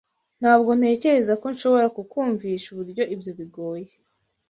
Ntabwo ntekereza ko nshobora kukwumvisha uburyo ibyo bigoye.